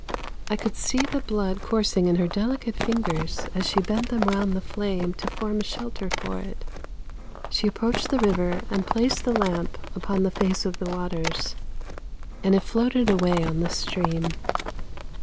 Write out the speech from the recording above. I could see the blood coursing in her delicate ringers as she bent them round the flame to form a shelter for it. She approached the river and placed the lamp upon the face of the waters, and it floated away on the stream.